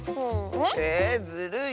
えずるい！